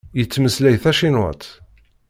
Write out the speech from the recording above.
Yettmeslay tacinwat.